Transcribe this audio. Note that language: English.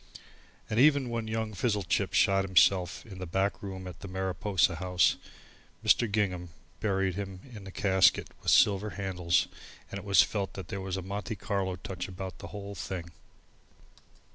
And even when young Fizzlechip shot himself in the back room of the Mariposa House, Mr. Gingham buried him in a casket with silver handles and it was felt that there was a Monte Carlo touch about the whole thing.